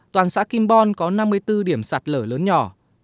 toàn xã kim bon có năm mươi bốn điểm sạt lở lớn nhỏ